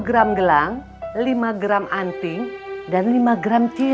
satu gram gelang lima gram anting dan lima gram cili